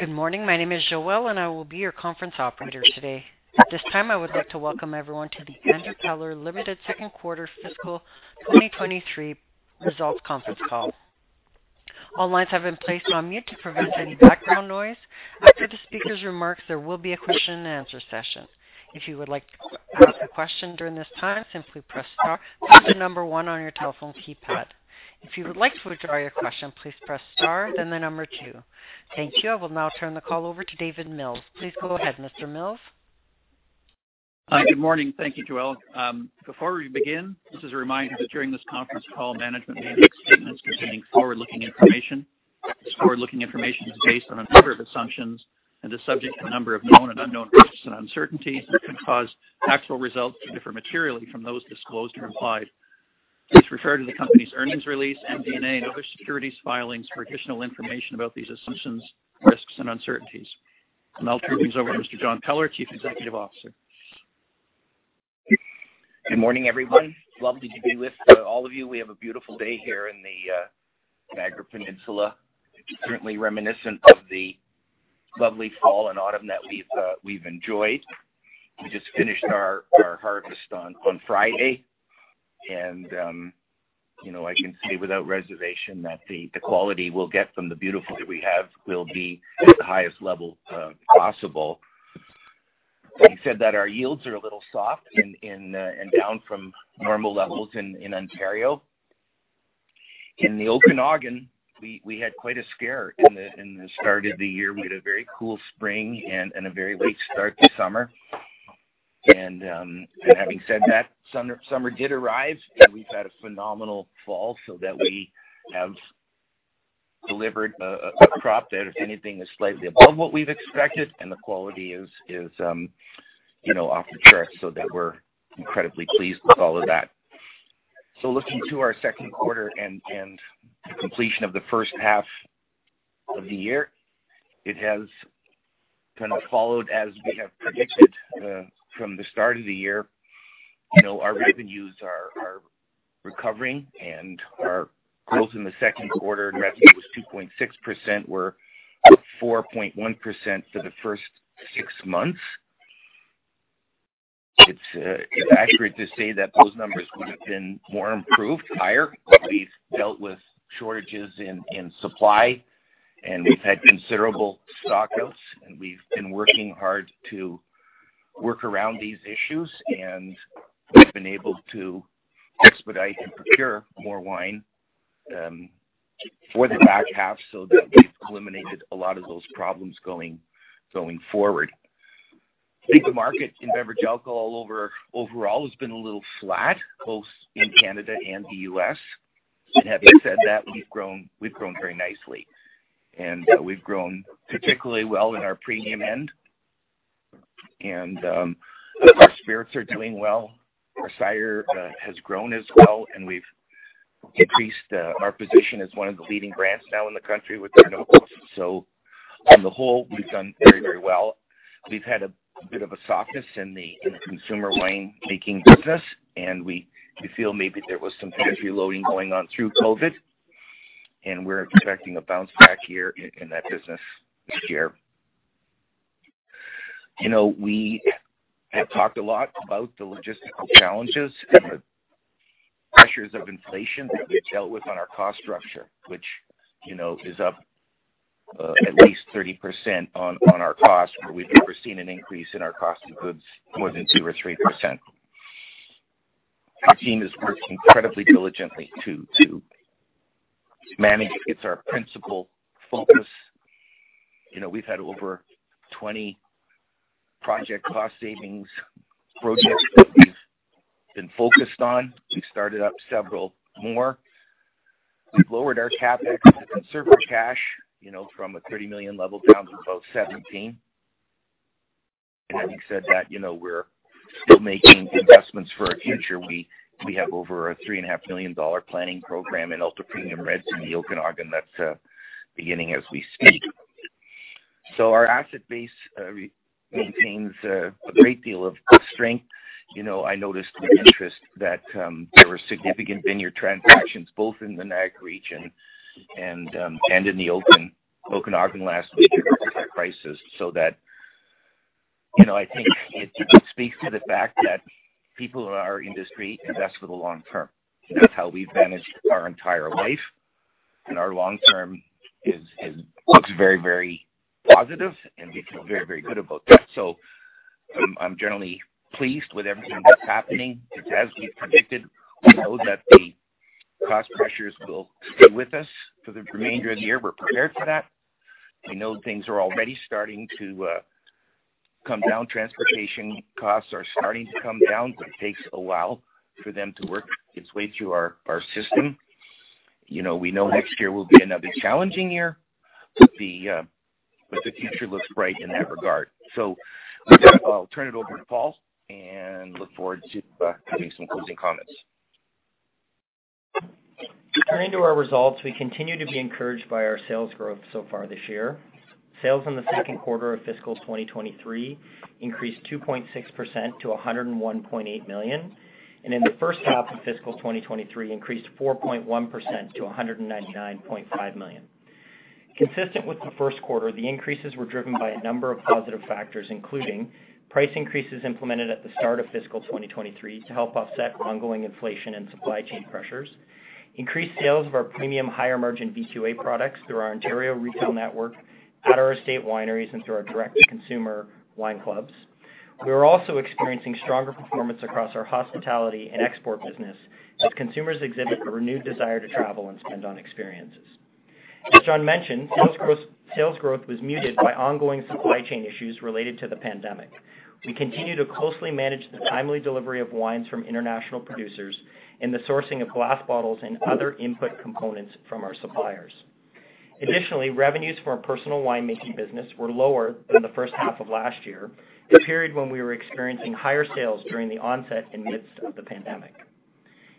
Good morning. My name is Joelle, and I will be your conference operator today. At this time, I would like to welcome everyone to the Andrew Peller Limited second quarter fiscal 2023 results conference call. All lines have been placed on mute to prevent any background noise. After the speaker's remarks, there will be a question and answer session. If you would like to ask a question during this time, simply press star, the number one on your telephone keypad. If you would like to withdraw your question, please press star, then the number two. Thank you. I will now turn the call over to David Mills. Please go ahead, Mr. Mills. Hi. Good morning. Thank you, Joelle. Before we begin, this is a reminder that during this conference call, management may make statements containing forward-looking information. This forward-looking information is based on a number of assumptions and is subject to a number of known and unknown risks and uncertainties that can cause actual results to differ materially from those disclosed or implied. Please refer to the company's earnings release, MD&A, and other securities filings for additional information about these assumptions, risks, and uncertainties. I'll now turn things over to Mr. John Peller, Chief Executive Officer. Good morning, everyone. Lovely to be with all of you. We have a beautiful day here in the Niagara Peninsula. Certainly reminiscent of the lovely fall and autumn that we've enjoyed. We just finished our harvest on Friday. You know, I can say without reservation that the quality we'll get from the beautiful fruit that we have will be at the highest level possible. Having said that, our yields are a little soft and down from normal levels in Ontario. In the Okanagan, we had quite a scare in the start of the year. We had a very cool spring and a very late start to summer. Having said that, summer did arrive, and we've had a phenomenal fall so that we have delivered a crop that, if anything, is slightly above what we've expected, and the quality is, you know, off the charts, so that we're incredibly pleased with all of that. Looking to our second quarter and the completion of the first half of the year, it has kind of followed as we have predicted from the start of the year. You know, our revenues are recovering, and our growth in the second quarter revenue was 2.6%. We're 4.1% for the first six months. It's accurate to say that those numbers would have been more improved, higher, but we've dealt with shortages in supply, and we've had considerable stockouts, and we've been working hard to work around these issues. We've been able to expedite and procure more wine for the back half so that we've eliminated a lot of those problems going forward. I think the market in beverage alcohol overall has been a little flat, both in Canada and the U.S. Having said that, we've grown very nicely, and we've grown particularly well in our premium end. Our spirits are doing well. Our cider has grown as well, and we've increased our position as one of the leading brands now in the country with our labels. On the whole, we've done very, very well. We've had a bit of a softness in the consumer wine making business, and we feel maybe there was some inventory loading going on through COVID, and we're expecting a bounce back here in that business this year. You know, we have talked a lot about the logistical challenges and the pressures of inflation that we dealt with on our cost structure, which, you know, is up at least 30% on our costs, where we've never seen an increase in our cost of goods more than 2% or 3%. Our team has worked incredibly diligently to manage. It's our principal focus. You know, we've had over 20 project cost savings projects that we've been focused on. We started up several more. We've lowered our CapEx and preserved cash, you know, from a 30 million level down to about 17 million. Having said that, you know, we're still making investments for our future. We have over 3.5 million dollar planting program in ultra-premium reds in the Okanagan. That's beginning as we speak. Our asset base maintains a great deal of strength. You know, I noticed with interest that there were significant vineyard transactions both in the Niagara region and in the Okanagan last week with the crisis. That. You know, I think it speaks to the fact that people in our industry invest for the long term. That's how we've managed our entire life, and our long term looks very, very positive, and we feel very, very good about that. I'm generally pleased with everything that's happening. It's as we've predicted. We know that the cost pressures will stay with us for the remainder of the year. We're prepared for that. We know things are already starting to come down. Transportation costs are starting to come down, but it takes a while for them to work its way through our system. You know, we know next year will be another challenging year, but the future looks bright in that regard. With that, I'll turn it over to Paul and look forward to having some closing comments. Turning to our results, we continue to be encouraged by our sales growth so far this year. Sales in the second quarter of fiscal 2023 increased 2.6% to 101.8 million. In the first half of fiscal 2023 increased 4.1% to 199.5 million. Consistent with the first quarter, the increases were driven by a number of positive factors, including price increases implemented at the start of fiscal 2023 to help offset ongoing inflation and supply chain pressures, increased sales of our premium higher-margin VQA products through our Ontario retail network at our estate wineries and through our direct-to-consumer wine clubs. We are also experiencing stronger performance across our hospitality and export business as consumers exhibit a renewed desire to travel and spend on experiences. As John mentioned, sales growth was muted by ongoing supply chain issues related to the pandemic. We continue to closely manage the timely delivery of wines from international producers and the sourcing of glass bottles and other input components from our suppliers. Additionally, revenues for our personal winemaking business were lower than the first half of last year, a period when we were experiencing higher sales during the onset in midst of the pandemic.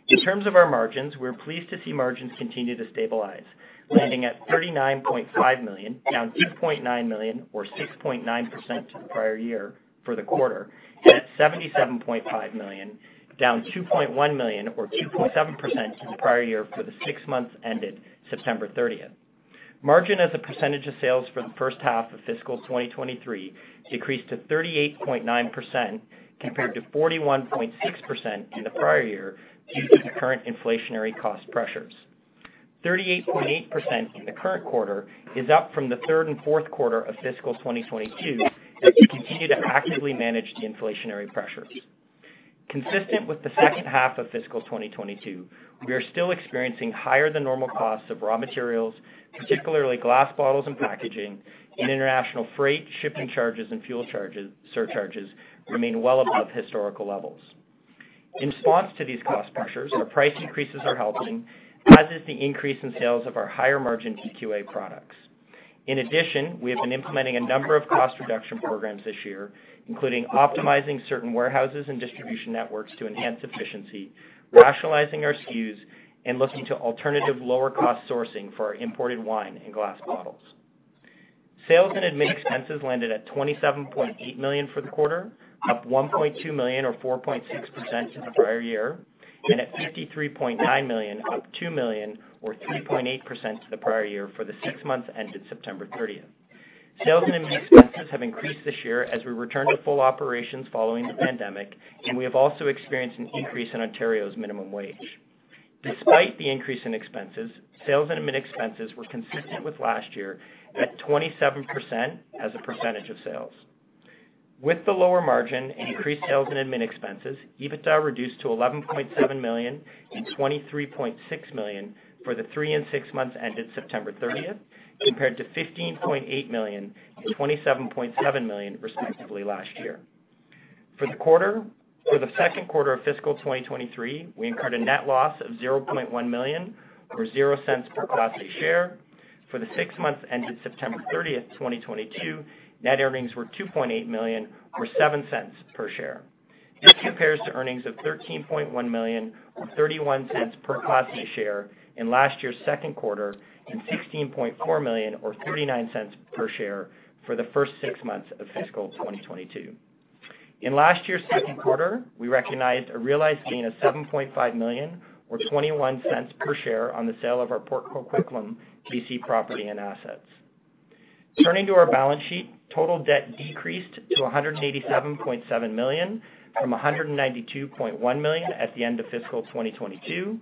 In terms of our margins, we're pleased to see margins continue to stabilize, landing at 39.5 million, down 2.9 million or 6.9% to the prior year for the quarter, and at 77.5 million, down 2.1 million or 2.7% to the prior year for the six months ended September 30th. Margin as a percentage of sales for the first half of fiscal 2023 decreased to 38.9% compared to 41.6% in the prior year due to the current inflationary cost pressures. 38.8% in the current quarter is up from the third and fourth quarter of fiscal 2022 as we continue to actively manage the inflationary pressures. Consistent with the second half of fiscal 2022, we are still experiencing higher than normal costs of raw materials, particularly glass bottles and packaging, and international freight, shipping charges, and fuel charge surcharges remain well above historical levels. In response to these cost pressures, our price increases are helping, as is the increase in sales of our higher-margin VQA products. In addition, we have been implementing a number of cost reduction programs this year, including optimizing certain warehouses and distribution networks to enhance efficiency, rationalizing our SKUs, and looking to alternative lower-cost sourcing for our imported wine and glass bottles. Sales and admin expenses landed at 27.8 million for the quarter, up 1.2 million or 4.6% to the prior year, and at 53.9 million, up 2 million or 3.8% to the prior year for the six months ended September 30th. Sales and admin expenses have increased this year as we return to full operations following the pandemic, and we have also experienced an increase in Ontario's minimum wage. Despite the increase in expenses, sales and admin expenses were consistent with last year at 27% as a percentage of sales. With the lower margin and increased sales and admin expenses, EBITDA reduced to 11.7 million and 23.6 million for the three and six months ended September 30th, compared to 15.8 million and 27.7 million, respectively, last year. For the second quarter of fiscal 2023, we incurred a net loss of 0.1 million or 0.00 per Class A share. For the six months ended September 30, 2022, net earnings were CAD 2.8 million or 0.07 per share. This compares to earnings of CAD 13.1 million or 0.31 per Class A share in last year's second quarter and CAD 16.4 million or 0.39 per share for the first six months of fiscal 2022. In last year's second quarter, we recognized a realized gain of 7.5 million or 0.21 per share on the sale of our Port Coquitlam, BC property and assets. Turning to our balance sheet, total debt decreased to 187.7 million from 192.1 million at the end of fiscal 2022.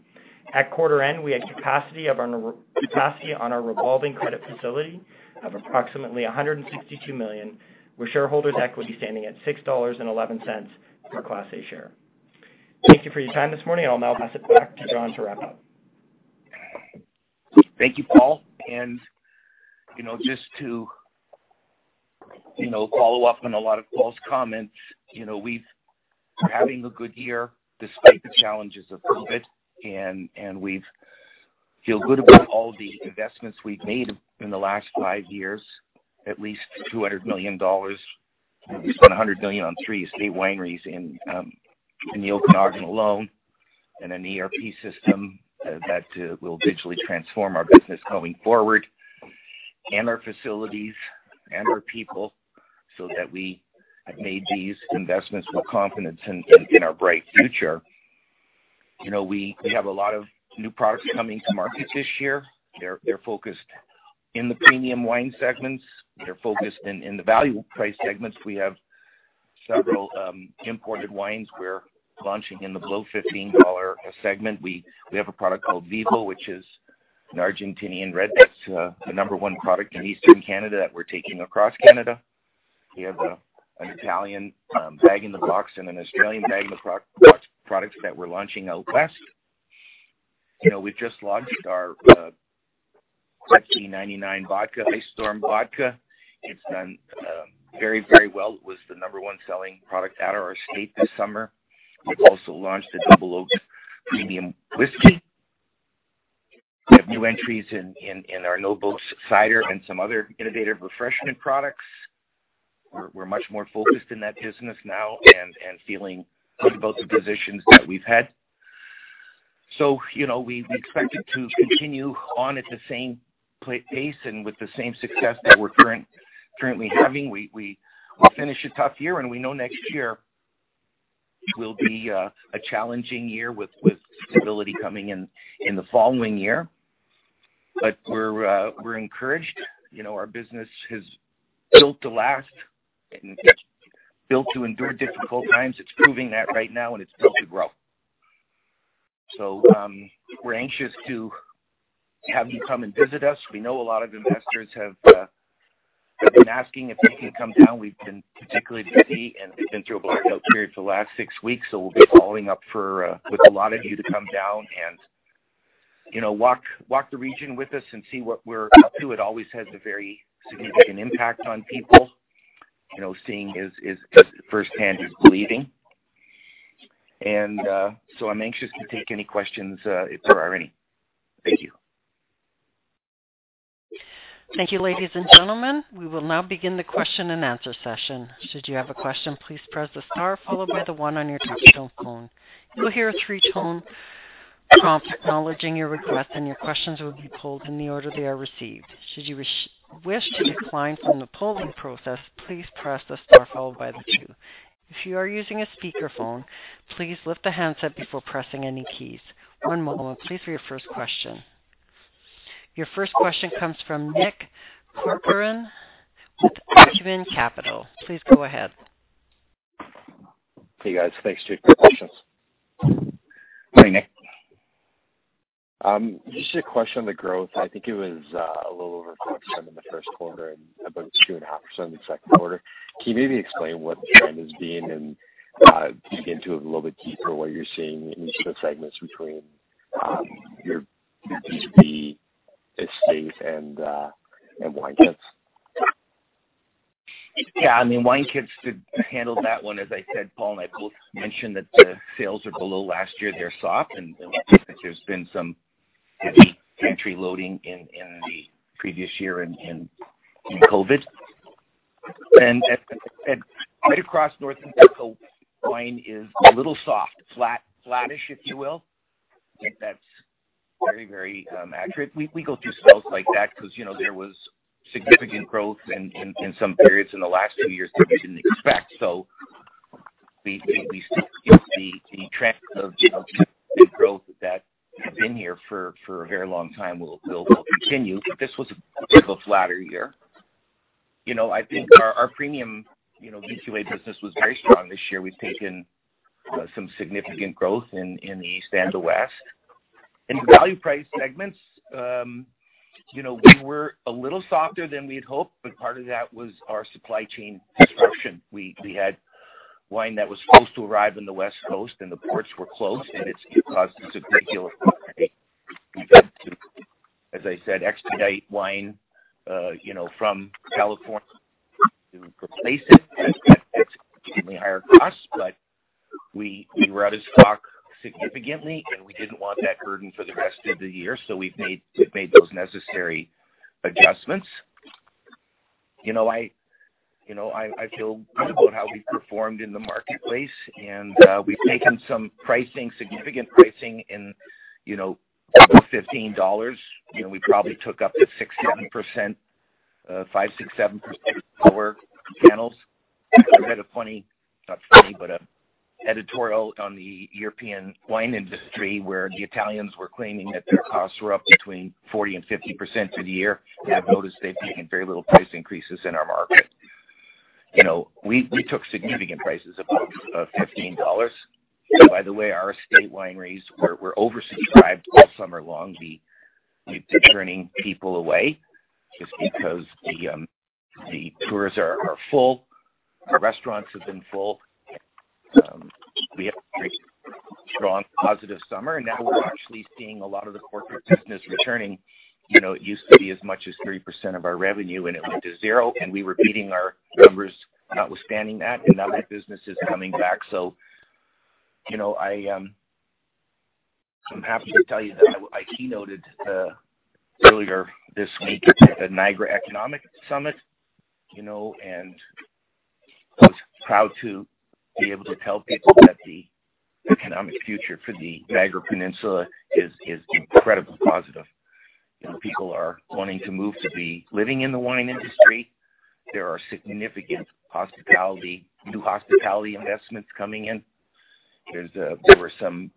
At quarter end, we had capacity on our revolving credit facility of approximately 162 million, with shareholders' equity standing at 6.11 dollars per class A share. Thank you for your time this morning. I'll now pass it back to John to wrap up. Thank you, Paul. You know, just to, you know, follow up on a lot of Paul's comments. You know, we're having a good year despite the challenges of COVID, and we feel good about all the investments we've made in the last five years, at least 200 million dollars. We spent 100 million on three estate wineries in the Okanagan alone and an ERP system that will digitally transform our business going forward and our facilities and our people so that we have made these investments with confidence in our bright future. You know, we have a lot of new products coming to market this year. They're focused in the premium wine segments. They're focused in the value price segments. We have several imported wines we're launching in the below 15 dollar a segment. We have a product called VIVO, which is an Argentinian red that's the number one product in Eastern Canada that we're taking across Canada. We have an Italian bag-in-the-box and an Australian bag-in-the-box products that we're launching out west. You know, we've just launched our 1599 vodka, Ice Storm Vodka. It's done very, very well. It was the number one selling product at our estate this summer. We've also launched a Double Oaked premium whiskey. We have new entries in our No Boats cider and some other innovative refreshment products. We're much more focused in that business now and feeling good about the positions that we've had. You know, we expect it to continue on at the same pace and with the same success that we're currently having. We finished a tough year, and we know next year. It will be a challenging year with stability coming in the following year. We're encouraged. You know, our business is built to last, and it's built to endure difficult times. It's proving that right now, and it's built to grow. We're anxious to have you come and visit us. We know a lot of investors have been asking if they can come down. We've been particularly busy, and we've been through a blackout period for the last six weeks, so we'll be following up with a lot of you to come down and, you know, walk the region with us and see what we're up to. It always has a very significant impact on people, you know, seeing firsthand is believing. I'm anxious to take any questions, if there are any. Thank you. Thank you, ladies and gentlemen. We will now begin the question and answer session. Should you have a question, please press the star followed by the one on your touchtone phone. You'll hear a three-tone prompt acknowledging your request, and your questions will be pulled in the order they are received. Should you wish to decline from the polling process, please press the star followed by the two. If you are using a speakerphone, please lift the handset before pressing any keys. One moment please for your first question. Your first question comes from Nick Corcoran with Acumen Capital. Please go ahead. Hey, guys. Thanks for taking my questions. Morning, Nick. Just a question on the growth. I think it was a little over 4% in the first quarter and about 2.5% in the second quarter. Can you maybe explain what the trend is being and dig into it a little bit deeper, what you're seeing in each of the segments between your VQA business and Wine Kitz? Yeah, I mean, Wine Kitz to handle that one, as I said, Paul and I both mentioned that the sales are below last year. They're soft, and there's been some heavy factory loading in the previous year in COVID. Right across North America, wine is a little soft. Flat, flattish, if you will. I think that's very accurate. We go through spells like that 'cause, you know, there was significant growth in some periods in the last two years that we didn't expect. We see the trend of, you know, the growth that has been here for a very long time will continue. This was a bit of a flatter year. You know, I think our premium, you know, VQA business was very strong this year. We've taken some significant growth in the East and the West. In the value price segments, you know, we were a little softer than we'd hoped, but part of that was our supply chain disruption. We had wine that was supposed to arrive in the West Coast and the ports were closed, and it's caused a significant delay. We've had to, as I said, expedite wine, you know, from California to replace it at significantly higher costs. We were out of stock significantly, and we didn't want that burden for the rest of the year, so we've made those necessary adjustments. You know, I feel good about how we've performed in the marketplace, and we've taken some pricing, significant pricing in, you know, over 15 dollars. You know, we probably took up to 5%, 6%, 7% in our channels. I read a funny, not funny, but an editorial on the European wine industry, where the Italians were claiming that their costs were up between 40% and 50% for the year. I've noticed they've taken very little price increases in our market. You know, we took significant prices above 15 dollars. By the way, our estate wineries were oversubscribed all summer long. We've been turning people away just because the tours are full. Our restaurants have been full. We have a very strong positive summer, and now we're actually seeing a lot of the corporate business returning. You know, it used to be as much as 3% of our revenue, and it went to zero, and we were beating our numbers notwithstanding that. Now that business is coming back, so, you know, I'm happy to tell you that I keynoted earlier this week at the Niagara Economic Summit, you know, and I was proud to be able to tell people that the economic future for the Niagara Peninsula is incredibly positive. You know, people are wanting to move to be living in the wine industry. There are significant hospitality, new hospitality investments coming in. There were some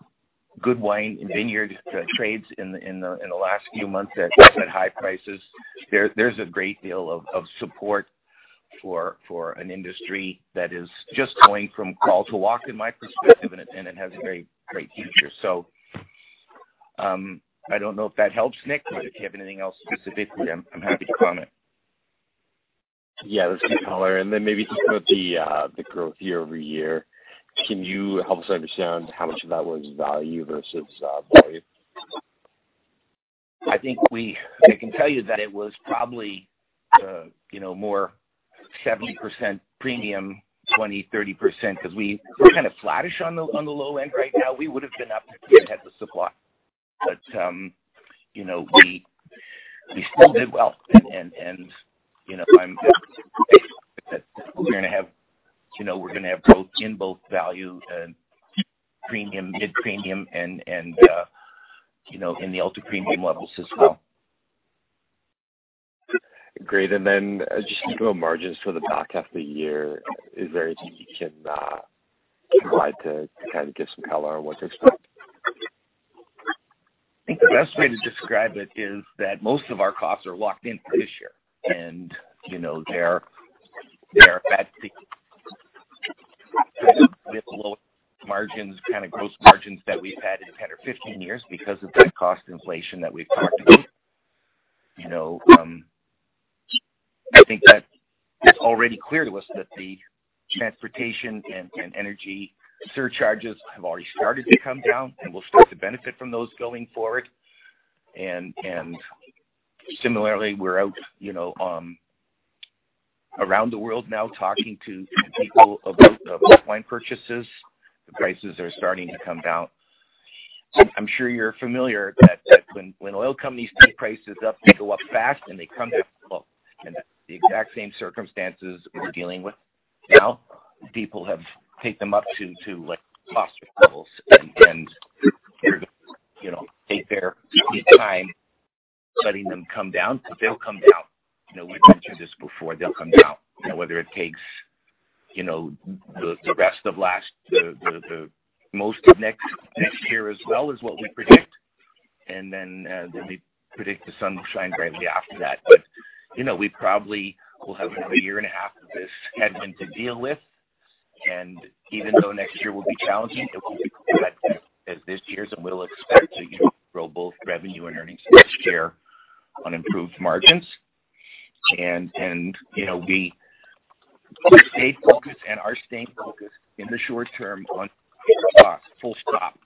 good wine vineyard trades in the last few months at high prices. There's a great deal of support for an industry that is just going from crawl to walk in my perspective, and it has a very great future. I don't know if that helps, Nick, but if you have anything else specifically, I'm happy to comment. Yeah, that's good color. Maybe just about the growth year-over-year. Can you help us understand how much of that was value versus volume? I think I can tell you that it was probably, you know, more 70% premium, 20%-30%, 'cause we're kind of flattish on the low end right now. We would've been up if we had the supply. You know, we still did well. You know, I'm confident that we're gonna have, you know, we're gonna have growth in both value and premium, mid-premium and, you know, in the ultra-premium levels as well. Great. Just thinking about margins for the back half of the year, is there anything you can provide to kind of give some color on what to expect? I think the best way to describe it is that most of our costs are locked in for this year. You know, they're at the lowest margins, kind of gross margins that we've had in 10 or 15 years because of that cost inflation that we've talked about. You know, I think that it's already clear to us that the transportation and energy surcharges have already started to come down, and we'll start to benefit from those going forward. Similarly, we're out, you know, around the world now talking to people about wine purchases. The prices are starting to come down. I'm sure you're familiar that when oil companies take prices up, they go up fast and they come down slow. The exact same circumstances we're dealing with now. People have taken them up to, like, faster levels. They're, you know, take their sweet time letting them come down, but they'll come down. You know, we've mentioned this before, they'll come down, you know, whether it takes, you know, the most of next year as well is what we predict. Then we predict the sun will shine brightly after that. You know, we probably will have another year and a half of this headwind to deal with. Even though next year will be challenging, it won't be quite as bad as this year's, and we'll expect to, you know, grow both revenue and earnings per share on improved margins. You know, we stayed focused and are staying focused in the short term on cost, full stop.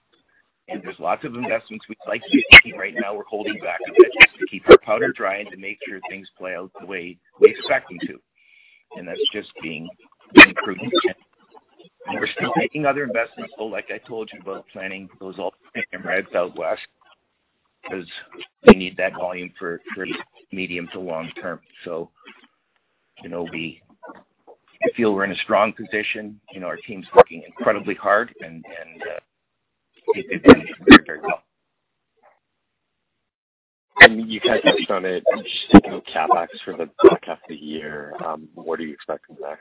There's lots of investments we'd like to be making right now. We're holding back a bit just to keep our powder dry to make sure things play out the way we expect them to. That's just being prudent. We're still making other investments, though, like I told you about planning those ultra-premium in Red Southwest, because we need that volume for the medium to long term. You know, we feel we're in a strong position. You know, our team's working incredibly hard, and doing very, very well. You guys have done it. Just thinking about CapEx for the back half of the year, what are you expecting there?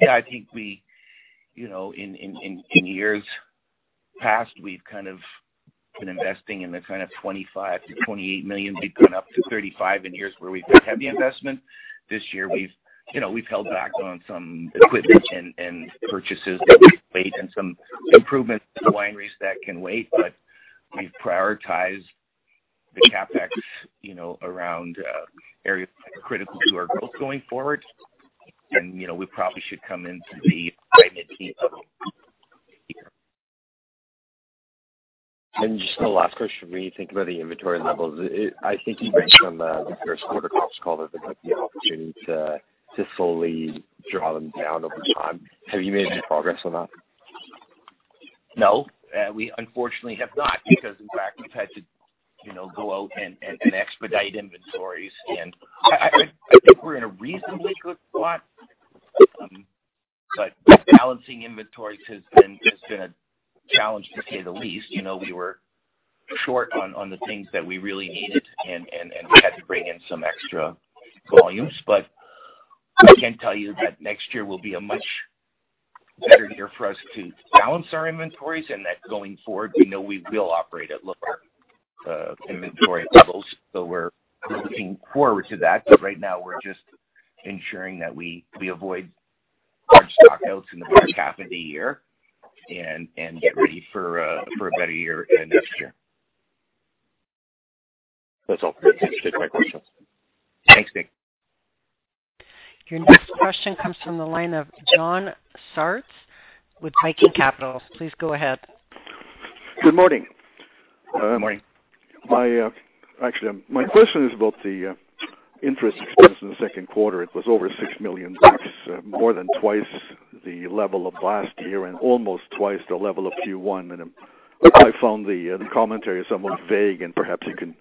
Yeah, I think we, you know, in years past, we've kind of been investing in the kind of 25 million-28 million. We've gone up to 35 million in years where we've had heavy investment. This year, you know, we've held back on some equipment and purchases that we've made and some improvements to the wineries that can wait. We've prioritized the CapEx, you know, around areas critical to our growth going forward. You know, we probably should come into the high mid-teens or so. Just the last question, when you think about the inventory levels, I think you mentioned on the first quarter call that there might be an opportunity to slowly draw them down over time. Have you made any progress on that? No, we unfortunately have not, because in fact, we've had to, you know, go out and expedite inventories. I think we're in a reasonably good spot, but balancing inventories has been a challenge to say the least. You know, we were short on the things that we really needed and we had to bring in some extra volumes. I can tell you that next year will be a much better year for us to balance our inventories and that going forward, we know we will operate at lower inventory levels. We're looking forward to that. Right now we're just ensuring that we avoid large stockouts in the back half of the year and get ready for a better year next year. That's all. Thanks. That's my questions. Thanks, Nick. Your next question comes from the line of John Sartz with Viking Capital. Please go ahead. Good morning. Good morning. Actually, my question is about the interest expense in the second quarter. It was over 6 million bucks, more than twice the level of last year and almost twice the level of Q1. I found the commentary somewhat vague, and perhaps you can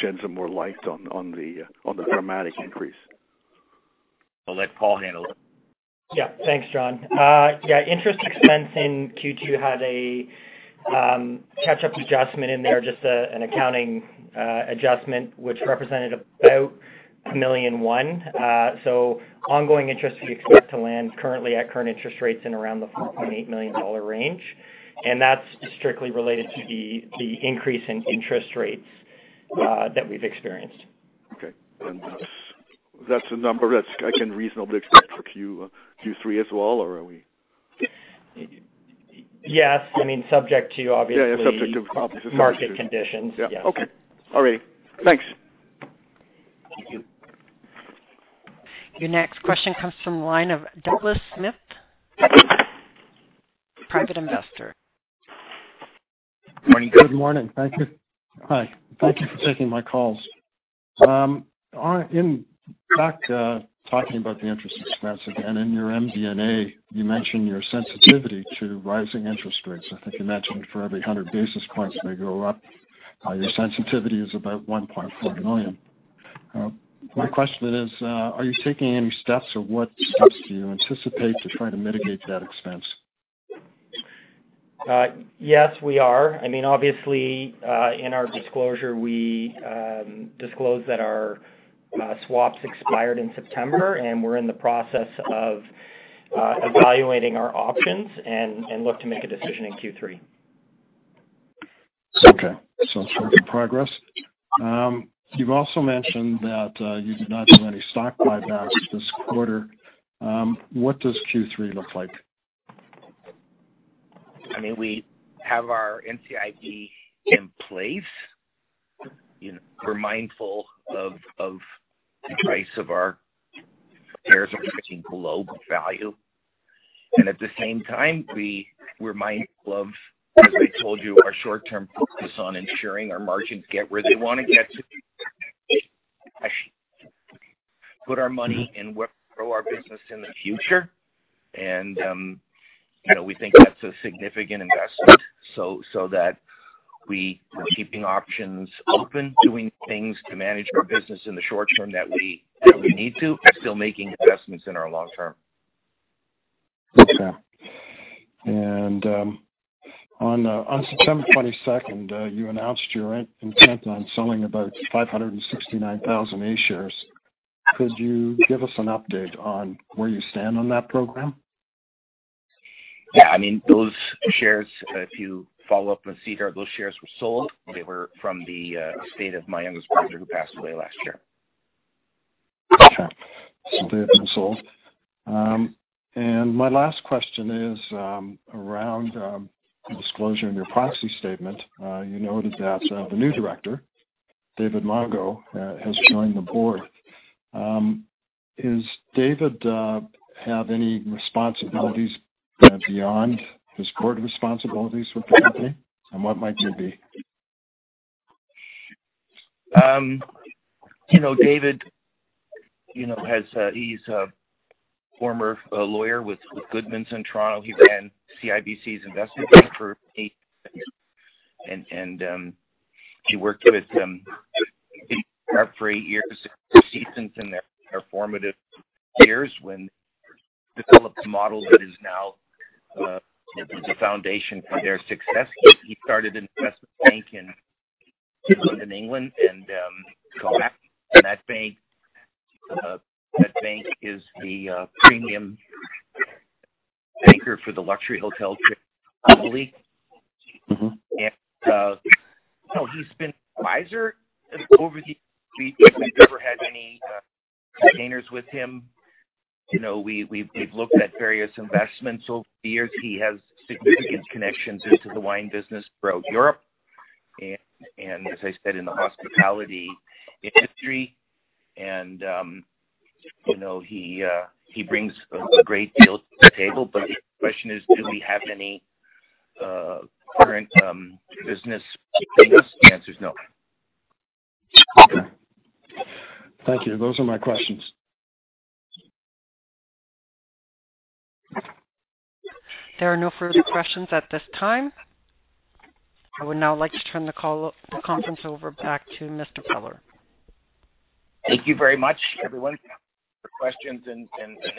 shed some more light on the dramatic increase. I'll let Paul handle it. Yeah. Thanks, John. Interest expense in Q2 had a catch up adjustment in there, just an accounting adjustment which represented about 1.1 million. So ongoing interest we expect to land currently at current interest rates in around the 4.8 million dollar range. That's strictly related to the increase in interest rates that we've experienced. Okay. That's a number that I can reasonably expect for Q3 as well or are we? Yes. I mean, subject to obviously. Yeah, subject to obviously. Market conditions. Yes. Okay. All right. Thanks. Thank you. Your next question comes from the line of Douglas Smith, Private Investor. Morning. Good morning. Thank you. Hi. Thank you for taking my calls. In fact, talking about the interest expense again, in your MD&A, you mentioned your sensitivity to rising interest rates. I think you mentioned for every 100 basis points they go up, your sensitivity is about 1.4 million. My question is, are you taking any steps or what steps do you anticipate to try to mitigate that expense? Yes, we are. I mean, obviously, in our disclosure, we disclose that our swaps expired in September, and we're in the process of evaluating our options and look to make a decision in Q3. Okay. Some good progress. You've also mentioned that you did not do any stock buybacks this quarter. What does Q3 look like? I mean, we have our NCIB in place. You know, we're mindful of the price of our shares trading below book value. At the same time, we're mindful of, as I told you, our short-term focus on ensuring our margins get where they wanna get to. Put our money in to grow our business in the future. You know, we think that's a significant investment so that we're keeping options open, doing things to manage our business in the short term that we need to, but still making investments in our long term. Okay. On September 22nd, you announced your intent on selling about 569,000 A shares. Could you give us an update on where you stand on that program? Yeah. I mean, those shares, if you follow up you'll see that those shares were sold. They were from the estate of my youngest brother who passed away last year. Okay. They have been sold. My last question is around the disclosure in your proxy statement. You noted that the new director, David Mongeau, has joined the board. Is David have any responsibilities beyond his board responsibilities for the company, and what might they be? You know, David, you know, he's a former lawyer with Goodmans in Toronto. He ran CIBC's investment bank for eight years, he worked with him for eight years at Four Seasons in their formative years when developed a model that is now the foundation for their success. He started investment bank in London, England, so that bank is the premium banker for the luxury hotel chain, Lee. You know, he's been advisor over the years. We've never had any containers with him. You know, we've looked at various investments over the years. He has significant connections into the wine business throughout Europe, as I said, in the hospitality industry. You know, he brings a great deal to the table. If your question is, do we have any current business between us? The answer is no. Okay. Thank you. Those are my questions. There are no further questions at this time. I would now like to turn the conference call back over to Mr. Peller. Thank you very much, everyone, for questions and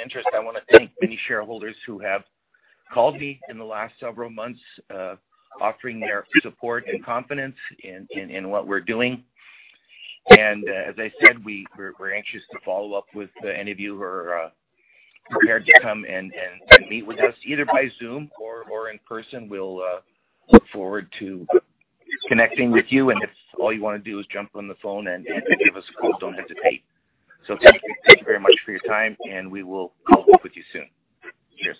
interest. I wanna thank many shareholders who have called me in the last several months, offering their support and confidence in what we're doing. As I said, we're anxious to follow up with any of you who are prepared to come and meet with us either by Zoom or in person. We'll look forward to connecting with you. If all you wanna do is jump on the phone and give us a call, don't hesitate. Thank you. Thank you very much for your time, and we will follow up with you soon. Cheers.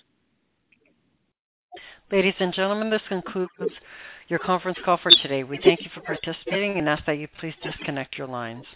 Ladies and gentlemen, this concludes your conference call for today. We thank you for participating and ask that you please disconnect your lines.